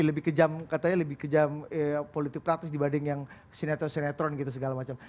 lebih kejam katanya lebih kejam politik praktis dibanding yang sinetron sinetron gitu segala macam